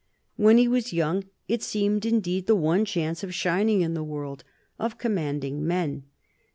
When he was young, it seemed indeed the one chance of shining in the world, of commanding men.